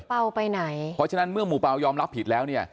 เพราะฉะนั้นเมื่อหมู่เป่ายอมรับผิดแล้วเนี่ย